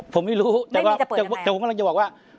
ผมไม่รู้แต่ว่าแต่ผมกำลังจะบอกว่า